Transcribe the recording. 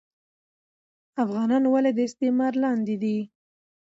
افغانان ولي د استعمار لاندي دي